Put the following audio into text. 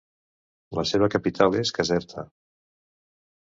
La seva capital és Caserta.